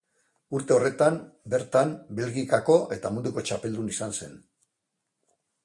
Urte horretan bertan Belgikako eta Munduko Txapeldun izan zen.